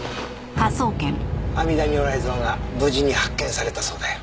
阿弥陀如来像が無事に発見されたそうだよ。